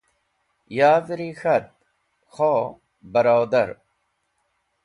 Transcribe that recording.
Yav’ri k̃hat: kho barodar!